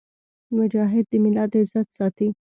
مجاهد د ملت عزت ساتي.